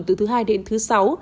từ thứ hai đến thứ sáu